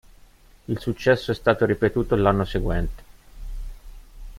Il successo è stato ripetuto l'anno seguente.